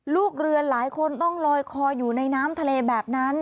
ลูกเรือหลายคนต้องลอยคออยู่ในน้ำทะเลแบบนั้น